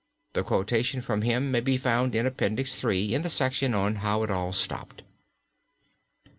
The quotation from him may be found in Appendix III. in the section on "How it all stopped."